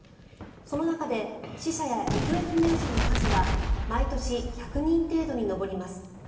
その中で死者や行方不明者の数は毎年１００人程度に上ります。